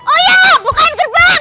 oh iya buka yang terbang